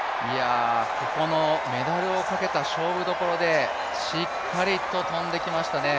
ここのメダルをかけた勝負どころでしっかりと跳んできましたね。